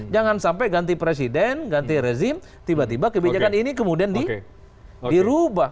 jangan sampai ganti presiden ganti rezim tiba tiba kebijakan ini kemudian dirubah